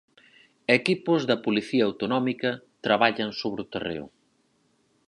Equipos da Policía Autonómica traballan sobre o terreo.